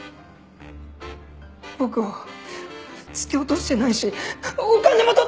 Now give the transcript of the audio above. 僕は突き落としてないしお金も取ってません！